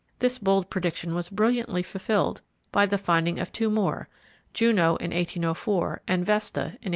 This bold prediction was brilliantly fulfilled by the finding of two more—Juno in 1804, and Vesta in 1807.